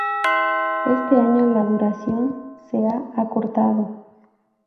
Este año la duración se ha acortado.